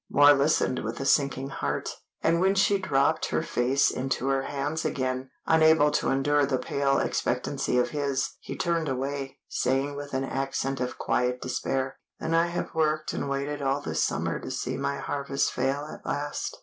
Moor listened with a sinking heart, and when she dropped her face into her hands again, unable to endure the pale expectancy of his, he turned away, saying with an accent of quiet despair "Then I have worked and waited all this summer to see my harvest fail at last.